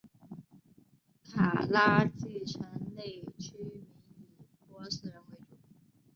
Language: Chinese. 卡拉季城内居民以波斯人为主。